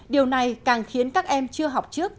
điều này càng khiến các em chưa học trước